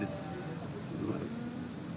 yang baru saya belum update